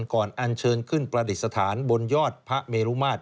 อันเชิญขึ้นประดิษฐานบนยอดพระเมรุมาตร